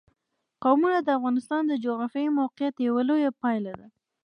قومونه د افغانستان د جغرافیایي موقیعت یوه لویه پایله ده.